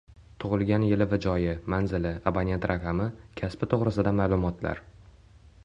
tug‘ilgan yili va joyi, manzili, abonent raqami, kasbi to‘g‘risidagi ma’lumotlar